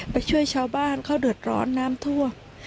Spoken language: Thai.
ไปช่วยชาวบ้านเขาเดือดร้อนน้ำท่วม